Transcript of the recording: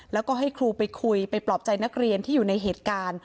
แล้วก็ให้ครูไปคุยไปปลอบใจนักเรียนที่อยู่ในเหตุการณ์